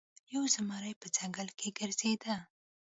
یو زمری په ځنګل کې ګرځیده.